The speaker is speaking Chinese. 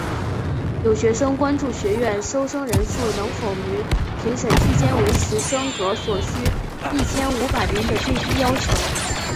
有学生关注学院收生人数能否于评审期间维持升格所需一千五百名的最低要求。